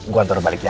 gue antar balik ya